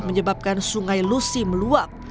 menyebabkan sungai lusi meluap